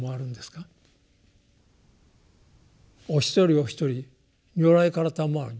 お一人お一人如来からたまわる。